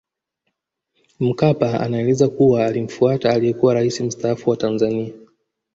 Mkapa anaeleza kuwa alimfuata aliyekuwa rais mstaafu wa Tanzania